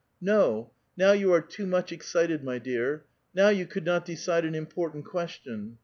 '^ No ! now you are too much excited, my dear. Now you could not decide an important question.